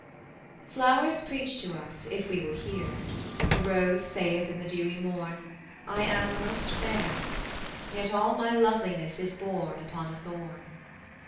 Flowers preach to us if we will hear: The rose saith in the dewy morn, I am most fair; Yet all my loveliness is born Upon a thorn.